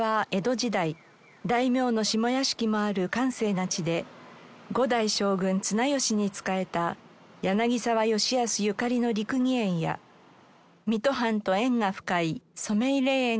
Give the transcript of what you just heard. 時代大名の下屋敷もある閑静な地で５代将軍綱吉に仕えた柳沢吉保ゆかりの六義園や水戸藩と縁が深い染井霊園があります。